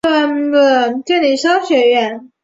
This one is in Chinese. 欧法利商学院之名设立的商学院。